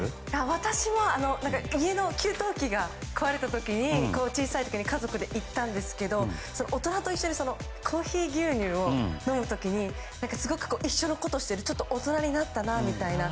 私は、家の給湯器が壊れた時に、小さい時に家族で行ったんですけど大人と一緒にコーヒー牛乳を飲む時に大人と一緒のことをして大人になったな、みたいな。